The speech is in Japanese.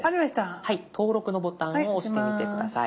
「登録」のボタンを押してみて下さい。